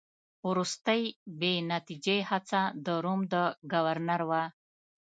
وروستۍ بې نتیجې هڅه د روم د ګورنر وه.